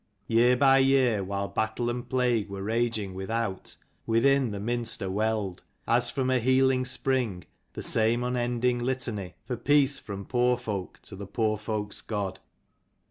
Year by year, while battle and plague were raging without, within the Minster welled, as from a healing spring, the same unending litany for peace from poor folk to the poor folk's God.